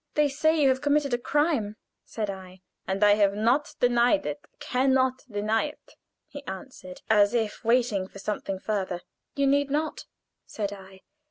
"They say you have committed a crime," said I. "And I have not denied, can not deny it," he answered, as if waiting for something further. "You need not," said I.